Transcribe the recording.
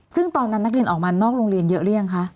ซึ่งตอนนั้นนักเรียนออกมานอกโรงเรียนเยอะหรือยังคะ